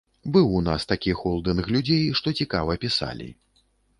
Быў у нас такі холдынг людзей, што цікава пісалі.